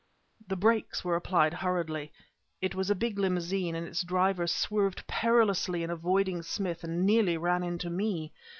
The brakes were applied hurriedly. It was a big limousine, and its driver swerved perilously in avoiding Smith and nearly ran into me.